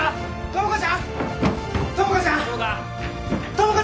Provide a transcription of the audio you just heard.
友果ちゃん友果！